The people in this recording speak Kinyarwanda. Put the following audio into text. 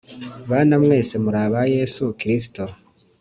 Bana mwese muri aba Yesu Kristo